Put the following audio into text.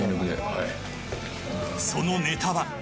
そのネタは。